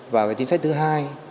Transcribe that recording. và chính sách thứ hai